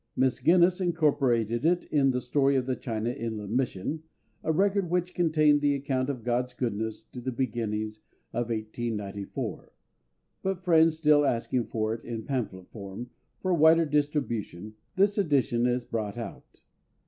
Miss Guinness incorporated it in the Story of the China Inland Mission, a record which contained the account of GOD'S goodness to the beginning of 1894. But friends still asking for it in pamphlet form, for wider distribution, this edition is brought out.